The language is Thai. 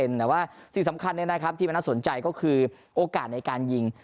แต่ว่าสิ่งสำคัญที่มันน่าสนใจก็คือโอกาสในการยิง